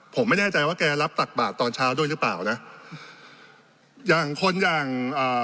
ผมไม่แน่ใจว่าแกรับตักบาทตอนเช้าด้วยหรือเปล่านะอย่างคนอย่างอ่า